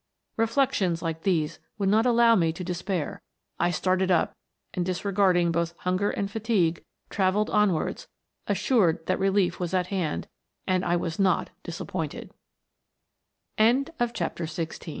Reflections like these would not allow me to despair. I started up, and dis regarding both hunger and fatigue, travelled on wards, assured that relief was at hand; and I was not disappoi